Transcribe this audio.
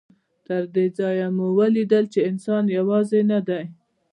تر دې ځایه مو ولیدل چې انسان یوازې نه دی.